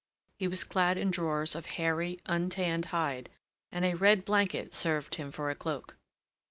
He was clad in drawers of hairy, untanned hide, and a red blanket served him for a cloak.